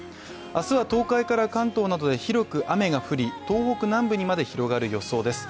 明日は東海から関東などで広く雨が降り東北南部にまで広がる予想です。